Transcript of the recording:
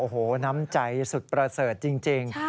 โอ้โหน้ำใจสุดประเสริฐจริง